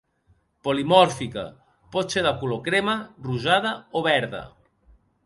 Polimòrfica: pot ser de color crema, rosada o verda.